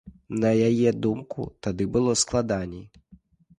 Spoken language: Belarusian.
На яе думку, тады было складаней.